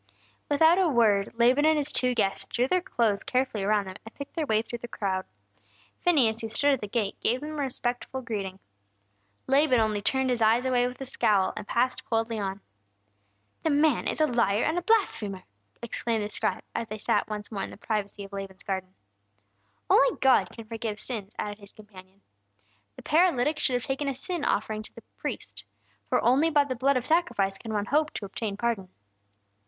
Without a word, Laban and his two guests drew their clothes carefully around them, and picked their way through the crowd. Phineas, who stood at the gate, gave them a respectful greeting. Laban only turned his eyes away with a scowl, and passed coldly on. "The man is a liar and a blasphemer!" exclaimed the scribe, as they sat once more in the privacy of Laban's garden. "Only God can forgive sins!" added his companion. "This paralytic should have taken a sin offering to the priest. For only by the blood of sacrifice can one hope to obtain pardon."